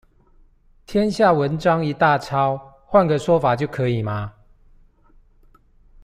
天下文章一大抄，換個說法就可以嗎？